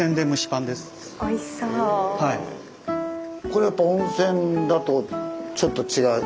これやっぱ温泉だとちょっと違う？